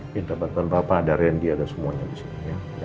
kita bantu bapak ada randy ada semuanya disini ya